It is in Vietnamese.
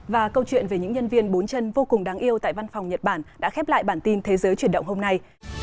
và câu chuyện về những nhân viên bốn chân vô cùng đáng yêu tại văn phòng nhật bản đã khép lại bản tin thế giới chuyển động hôm nay